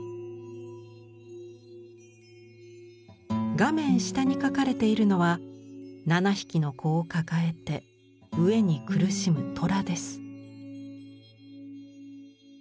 画面下に描かれているのは７匹の子を抱えて飢えに苦しむ虎です。